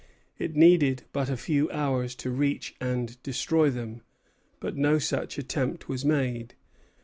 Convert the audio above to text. It needed but a few hours to reach and destroy them; but no such attempt was made.